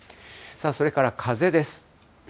それから風です。